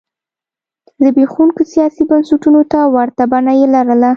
زبېښونکو سیاسي بنسټونو ته ورته بڼه یې لرله.